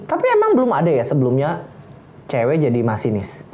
tapi emang belum ada ya sebelumnya cewek jadi masinis